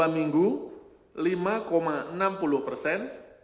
dua minggu lima enam puluh persen